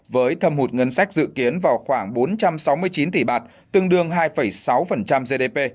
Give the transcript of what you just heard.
với thâm hụt ngân sách dự kiến vào khoảng bốn trăm sáu mươi chín tỷ bạt tương đương hai sáu gdp